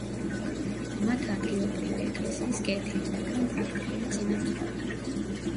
მათ ადგილობრივი ეკლესიის კეთილი, მაგრამ პრაქტიკული წინამძღვარი.